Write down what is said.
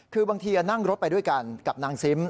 คือบางทีนั่งรถไปด้วยกันกับนางซิม